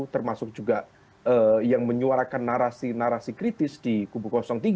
termasuk juga yang menyuarakan narasi narasi kritis di kubu tiga